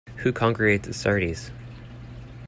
Who congregates at Sardi's?